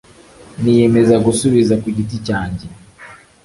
niyemeza gusubiza ku giti cyanjye